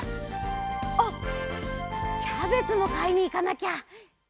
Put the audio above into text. あっキャベツもかいにいかなきゃ。